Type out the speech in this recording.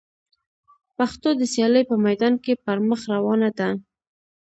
پښتو د سیالۍ په میدان کي پر مخ روانه ده.